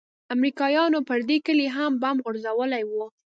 امريکايانو پر دې كلي هم بم غورځولي وو.